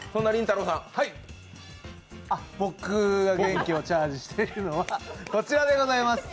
僕が元気をチャージしているのはこちらでございます。